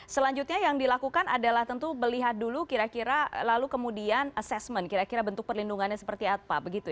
selanjutnya yang dilakukan adalah tentu melihat dulu kira kira lalu kemudian assessment kira kira bentuk perlindungannya seperti apa